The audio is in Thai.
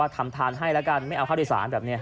ทำทานให้ละกันไม่เอาเข้าใดสาร